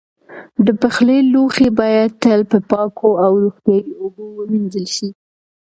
د پخلي لوښي باید تل په پاکو او روغتیایي اوبو ومینځل شي.